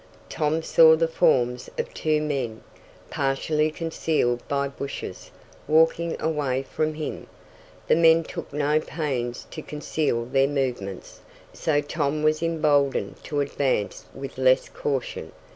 Tom saw the forms of two men, partially concealed by bushes, walking away from him. The men took no pains to conceal their movements, so Tom was emboldened to advance with less caution.